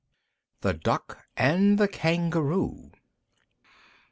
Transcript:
THE DUCK AND THE KANGAROO.